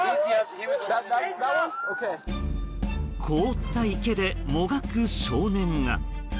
凍った池で、もがく少年が。